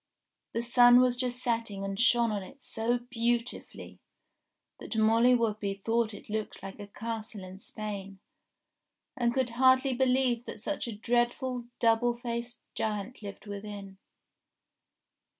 The sun was just setting and shone on it so beautifully, that Molly Whuppie thought it looked like a castle in Spain, and could hardly believe that such a dreadful, double faced giant lived within.